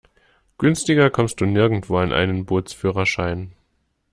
Günstiger kommst du nirgendwo an einen Bootsführerschein.